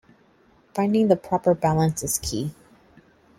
Finding the proper balance is key.